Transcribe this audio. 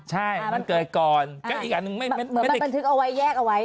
ใช่มันเกิดก่อนมันเป็นบันทึกเอาไว้แยกเอาไว้